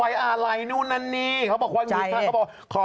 ว่าไว้อะไรนู่นานี่เขาบอกว่าจุดท่าเขาบอก